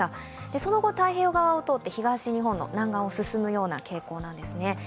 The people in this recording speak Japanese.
その後、太平洋側をとって東日本の南岸側を通る見込みなんですね。